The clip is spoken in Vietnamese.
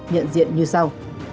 nhận diện như sau